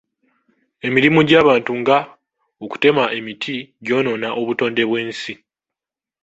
Emirimu gy'abantu nga okutema emiti gyonoona obutonde bw'ensi.